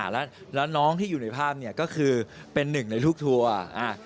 แล้วน้องที่อยู่ในภาพเนี่ยก็คือเป็นหนึ่งในลูกทัวร์